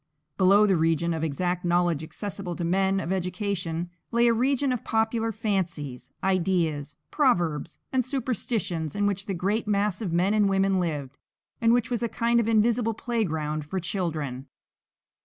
Below the region of exact knowledge accessible to men of education, lay a region of popular fancies, ideas, proverbs, and superstitions in which the great mass of men and women lived, and which was a kind of invisible playground for children.